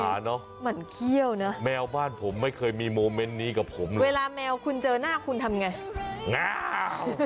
มันเขี้ยวนะแมวบ้านผมไม่เคยมีโมเมนต์นี้กับผมเลยเวลาแมวคุณเจอหน้าคุณทำไงง